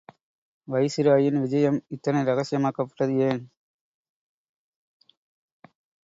வைசிராயின் விஜயம் இத்தனை ரகசியமாக்கப்பட்டது ஏன்?